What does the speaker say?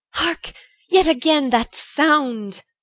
Hark! yet again that sound!